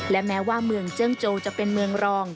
และแม้ว่าเมืองเจิ้งโจจะเป็นเมืองรอง